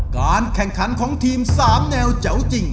การแข่งขันของทีม๓แนวแจ๋วจริง